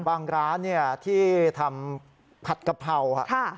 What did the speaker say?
บางร้านเนี่ยที่ทำผัดกะเพราค่ะ